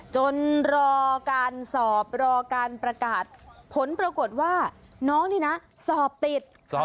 จนรอการสอบรอการประกาศผลปรากฏว่าน้องนี่นะสอบติด